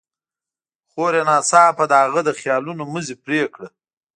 خور يې ناڅاپه د هغه د خيالونو مزی پرې کړ.